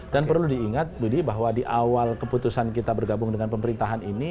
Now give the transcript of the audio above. dan perlu diingat dudi bahwa di awal keputusan kita bergabung dengan pemerintahan ini